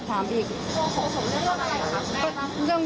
แล้วก็ไม่พบ